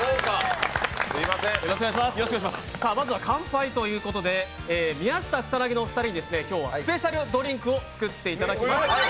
まずは乾杯ということで、宮下草薙のお二人に今日はスペシャルドリンクを作っていただきます。